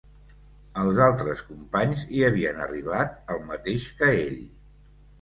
Els altres companys hi havien arribat el mateix que ell.